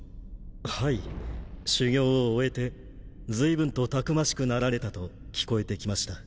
はい修行を終えてずいぶんとたくましくなられたと聞こえてきました。